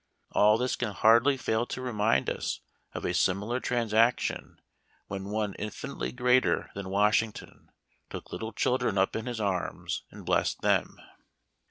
All this can hardly fail to remind us of a similar transaction when One infinitely greater than Washington took little children up in his arms and blessed them.